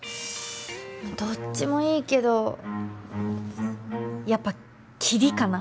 どっちもいいけどやっぱきり！かな？